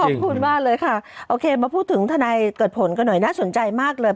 ขอบคุณมากเลยค่ะโอเคมาพูดถึงทนายเกิดผลกันหน่อยน่าสนใจมากเลย